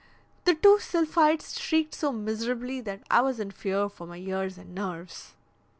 The two sylphides shrieked so miserably that I was in fear for my ears and nerves.